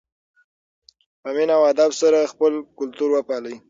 په مینه او ادب سره خپل کلتور وپالئ.